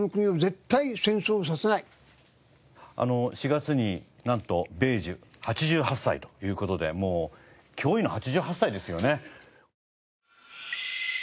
４月になんと米寿８８歳という事でもう驚異の８８歳ですよね。